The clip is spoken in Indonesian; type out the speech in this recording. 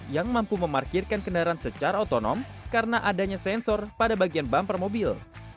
yang mampu memarkirkan kendaraan secara otonom karena adanya sensor pada bagian bumper mobil